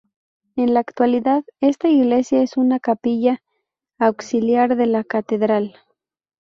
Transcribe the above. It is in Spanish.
En la actualidad, esta iglesia es una capilla auxiliar de la Catedral.